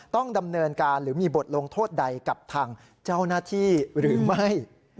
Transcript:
ต้องดำเนินการหรือมีบทลงโทษใดกับทางเจ้าหน้าที่หรือไม่